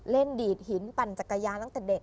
เล่นดีดหินปั่นจักรยานักจักเกรียร์ตั้งแต่เด็ก